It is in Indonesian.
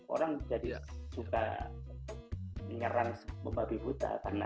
orang jadi suka menyerang sebuah babi buta karena